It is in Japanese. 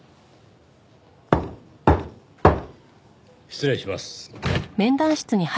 失礼します。